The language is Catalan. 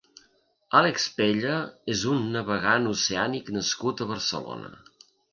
Alex Pella és un navegant oceànic nascut a Barcelona.